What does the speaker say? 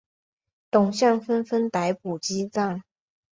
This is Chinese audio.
董相纷纷逮捕击杖。